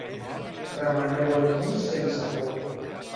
Remeneu el pus sense por.